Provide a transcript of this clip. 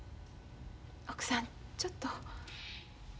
奥さんちょっと。